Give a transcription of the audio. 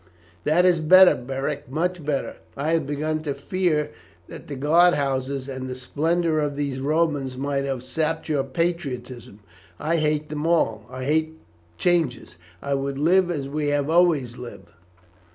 "That is better, Beric, much better. I had begun to fear that the grand houses and the splendour of these Romans might have sapped your patriotism. I hate them all; I hate changes; I would live as we have always lived."